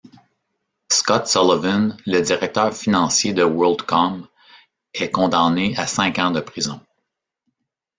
Scott Sullivan, le directeur financier de WorldCom, est condamné à cinq ans de prison.